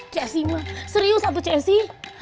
cesi mah serius satu cesi